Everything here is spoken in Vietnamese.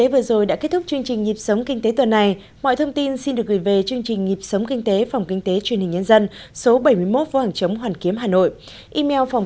việt nam sẽ chuyển dịch từ một thị trường sử dụng nhiều lao động